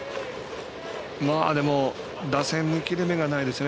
打線に切れ目がないですよね。